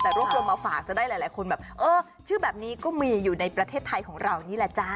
แต่รวบรวมมาฝากจะได้หลายคนแบบเออชื่อแบบนี้ก็มีอยู่ในประเทศไทยของเรานี่แหละจ๊ะ